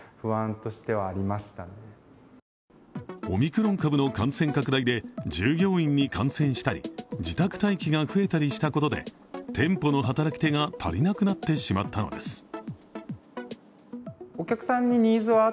オミクロン株の感染拡大で従業員に感染したり、自宅待機が増えたりしたことで店舗の働き手が足りなくなってしまったのです。